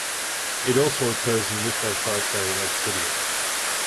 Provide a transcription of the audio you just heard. It also occurs in lithophysae in obsidian.